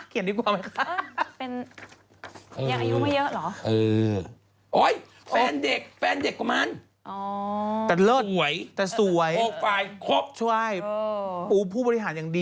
เจอกันนี้ต่อไปเข้าเมือนหน้ากัน